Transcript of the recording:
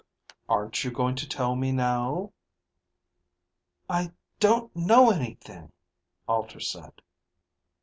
"Aren't you going to tell me, now?" "I don't know anything," Alter said.